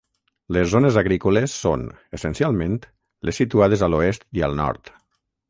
Les zones agrícoles són, essencialment, les situades a l'oest i al nord.